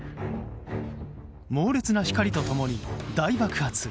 猛烈な光と共に大爆発。